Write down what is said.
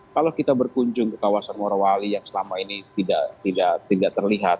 kalau kita berkunjung ke kawasan morowali yang selama ini tidak terlihat